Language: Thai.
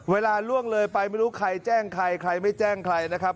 ล่วงเลยไปไม่รู้ใครแจ้งใครใครไม่แจ้งใครนะครับ